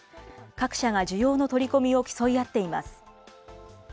各社が需要の取り込みを競い合っています。